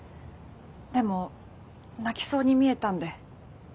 でも泣きそうに見えたんで。